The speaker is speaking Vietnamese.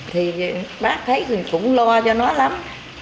thì bác thấy thì cũng lo cho nó lắm